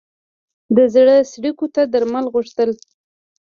د زړه څړیکو ته درمل غوښتل.